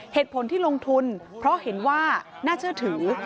เหตุผลที่ลงทุนเพราะเห็นว่าน่าเชื่อถือ